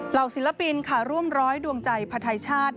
ศิลปินค่ะร่วมร้อยดวงใจพระไทยชาติ